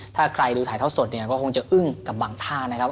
ถ้าใครดูถ่ายทอดสดเนี่ยก็คงจะอึ้งกับบางท่านะครับ